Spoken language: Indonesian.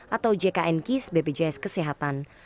atau jknkis bpjs kesehatan